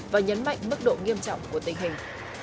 và nhấn mạnh mức độ nghiêm trọng